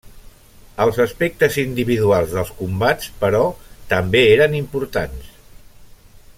Els aspectes individuals dels combats, però, també eren importants.